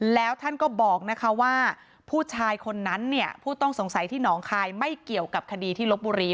แล้วท่านก็บอกนะคะว่าผู้ชายคนนั้นเนี่ยผู้ต้องสงสัยที่หนองคายไม่เกี่ยวกับคดีที่ลบบุรี